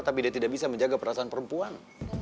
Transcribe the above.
tapi dia tidak bisa menjaga perasaan perempuan